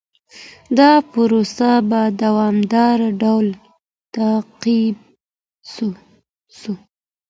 دا پروسه په دوامداره ډول تعقيب سوه.